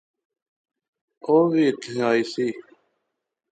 او وی ایتھیں ایہہ سی